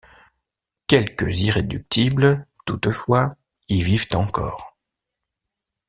Quelques irréductibles, toutefois, y vivent encore.